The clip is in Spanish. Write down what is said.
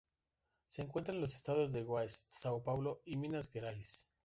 Se encuentra en los estados de Goiás, São Paulo y Minas Gerais.